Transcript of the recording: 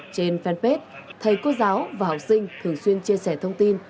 trên fanpage thầy cô giáo và học sinh thường xuyên chia sẻ thông tin